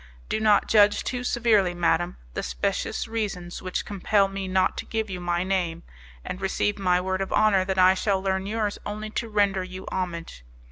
"Do not judge too severely, madam, the specious reasons which compel me not to give you my name, and receive my word of honour that I shall learn yours only to render you homage.